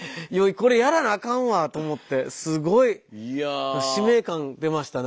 「これやらなあかんわ」と思ってすごい使命感出ました